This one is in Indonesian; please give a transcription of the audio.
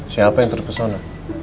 siapa yang terpesona